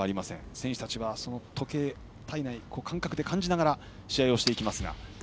選手たちは時計を体内の感覚で感じながら試合をしていきます。